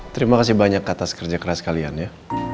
terima kasih banyak atas kerja keras kalian ya